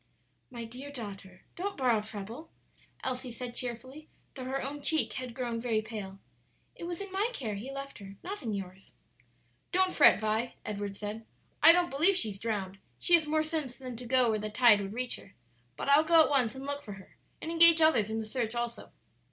"My dear daughter, don't borrow trouble," Elsie said cheerfully, though her own cheek had grown very pale; "it was in my care he left her, not in yours." "Don't fret, Vi," Edward said; "I don't believe she's drowned; she has more sense than to go where the tide would reach her; but I'll go at once to look for her, and engage others in the search also."